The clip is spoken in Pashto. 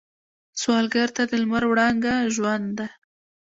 سوالګر ته د لمر وړانګه ژوند ده